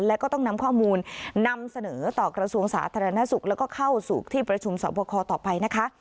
แล้วก็ต้องนำข้อมูลกระสวงสาธารณสุขและเข้าสุขที่ประชุมศาบครต่อไปนะคะ